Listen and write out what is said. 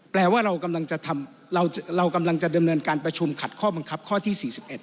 แปลว่าเรากำลังจะดำเนินการประชุมขัดข้อบังคับข้อที่๔๑